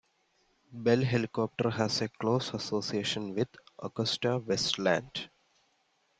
Bell Helicopter has a close association with AgustaWestland.